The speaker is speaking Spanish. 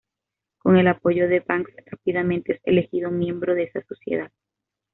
Con el apoyo de Banks, rápidamente es elegido miembro de esa sociedad.